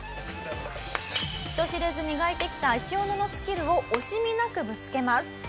人知れず磨いてきた石斧のスキルを惜しみなくぶつけます。